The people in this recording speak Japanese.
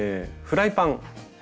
フライパン！